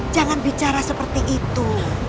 jangan bicara seperti itu